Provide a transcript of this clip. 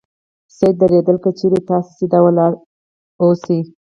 سیده درېدل : که چېرې تاسې سیده ولاړ اوسئ